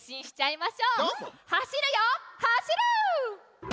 「はしるよはしる」！